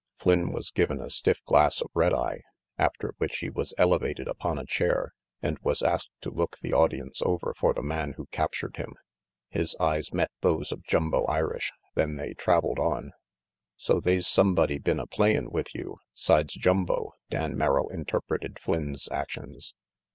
Flynn was given a stiff glass of red eye, after which he was elevated upon a chair and was asked to look the audience over for the man who captured him. His eyes met those of Jumbo Irish, then they traveled on. "So they's sumbody been a playin' with you, 'sides Jumbo," Dan Merrill interpreted Flynn's actions.